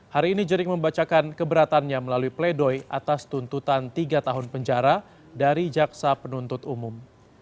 hari ini jering membacakan keberatannya melalui pledoi atas tuntutan tiga tahun penjara dari jaksa penuntut umum